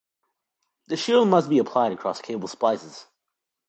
The shield must be applied across cable splices.